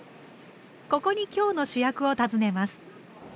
ここに今日の主役を訪ねます。